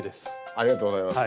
ありがとうございます。